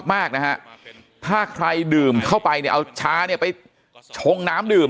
มากนะฮะถ้าใครดื่มเข้าไปเนี่ยเอาชาเนี่ยไปชงน้ำดื่ม